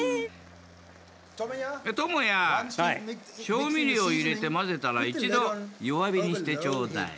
調味料を入れて混ぜたら一度弱火にしてちょうだい。